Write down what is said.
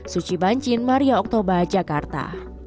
suci bancin maria oktober jakarta